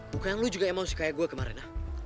bukannya lo juga emosi kayak gue kemarin